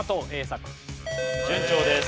順調です。